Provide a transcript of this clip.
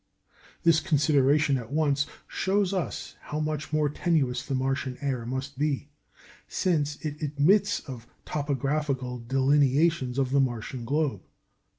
This consideration at once shows us how much more tenuous the Martian air must be, since it admits of topographical delineations of the Martian globe.